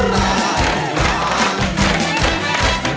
ร้องได้